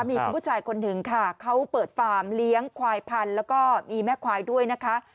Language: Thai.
มีคุณผู้ชายคนหนึ่งค่ะเขาเปิดฟาร์มเลี้ยงควายพันธุ์แล้วก็มีแม่ควายด้วยนะคะ